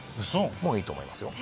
もういいと思いますよ。